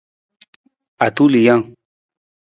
Atulijang.